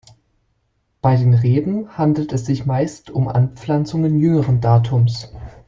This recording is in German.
Bei den Reben handelt es sich meist um Anpflanzungen jüngeren Datums.